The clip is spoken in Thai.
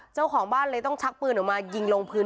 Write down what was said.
เจ้าของบ้านเลยต้องชักปืนออกมายิงลงพื้น